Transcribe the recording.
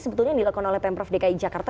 sebetulnya yang dilakukan oleh pemprov dki jakarta